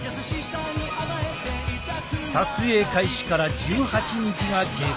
撮影開始から１８日が経過。